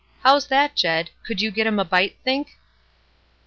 How's that, Jed? Could you get 'em a bite, think?"